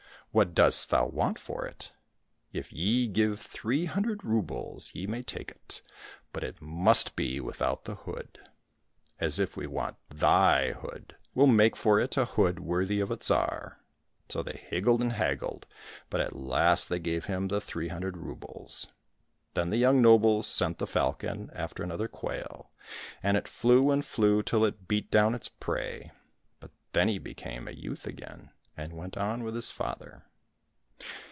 "—*' What dost thou want for it ?"—" If ye give three hundred roubles, ye may take it, but it must be without the hood." —" As if we want thy hood ! We'll make for it a hood worthy of a Tsar." So they higgled and haggled, but at last they gave him the three hundred roubles. Then the young nobles sent the falcon after another quail, and it flew and flew till it beat down its prey ; but then he became a youth again, and went on with his father.